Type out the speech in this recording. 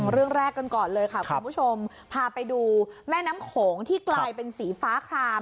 เรื่องแรกกันก่อนเลยค่ะคุณผู้ชมพาไปดูแม่น้ำโขงที่กลายเป็นสีฟ้าคลาม